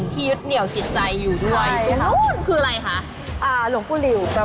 เป็นอยู่คนเดียวนะครับ